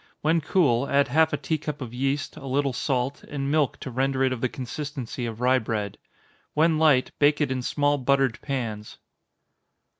When cool, add half a tea cup of yeast, a little salt, and milk to render it of the consistency of rye bread. When light, bake it in small buttered pans.